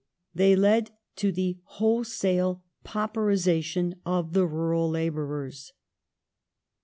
They led to the wholesale pauperization of the rural labourers.